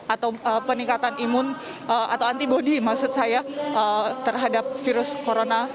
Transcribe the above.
atau peningkatan imun atau antibody maksud saya terhadap virus corona